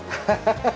ハハハハ。